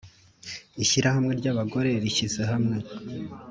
ishirahamwe ry’ abagore ryishize hamwe